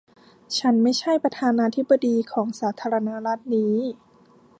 ฉันไม่ใช่ประธานาธิบดีของสาธารณรัฐนี้